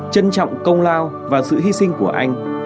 trân trọng công lao và sự hy sinh của anh